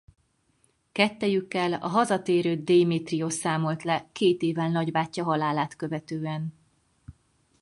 Kettejükkel a hazatérő Démétriosz számolt le két évvel nagybátyja halálát követően.